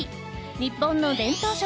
日本の伝統食